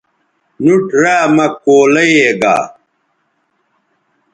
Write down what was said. نُوٹ را مہ کولئ یے گا